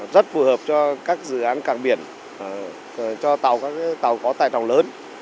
rất phù hợp cho các dự án cảng biển cho tàu có tài trọng lớn